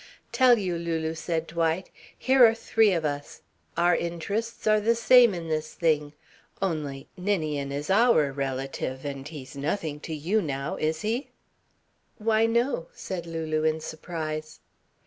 "Tell you, Lulu," said Dwight. "Here are three of us. Our interests are the same in this thing only Ninian is our relative and he's nothing to you now. Is he?" "Why, no," said Lulu in surprise.